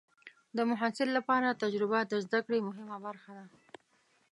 د محصل لپاره تجربه د زده کړې مهمه برخه ده.